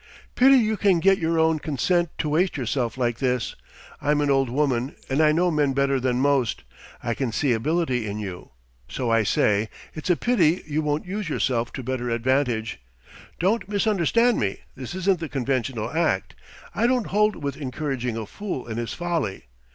"Pity you can get your own consent to waste yourself like this. I'm an old woman, and I know men better than most; I can see ability in you. So I say, it's a pity you won't use yourself to better advantage. Don't misunderstand me: this isn't the conventional act; I don't hold with encouraging a fool in his folly.